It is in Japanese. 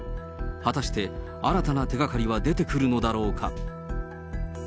果たして、新たな手がかりは出てくるのだろうか。